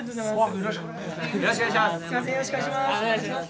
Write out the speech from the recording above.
よろしくお願いします。